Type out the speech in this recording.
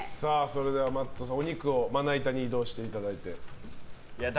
Ｍａｔｔさん、お肉をまな板に移動していただいて。